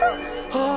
ああ！